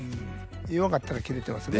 弱かったら切れてますね。